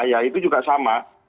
ya itu juga sama